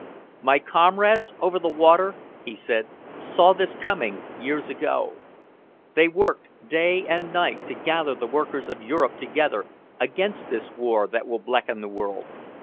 "My comrades over the water," he said, "saw this coming years ago. They worked day and night to gather the workers of Europe together against this war that will blacken the world.